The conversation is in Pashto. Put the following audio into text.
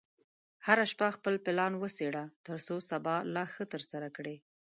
هره شپه خپل پلان وڅېړه، ترڅو سبا لا ښه ترسره کړې.